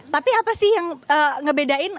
tapi apa sih yang ngebedain